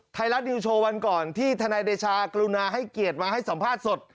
ไทยรัฐนิวโชว์วันก่อนที่ทนายเดชากรุณาให้เกียรติมาให้สัมภาษณ์สด